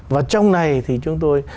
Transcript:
và trong này thì chúng tôi